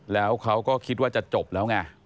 แล้วเขาก็คิดว่าจะจบแล้วไง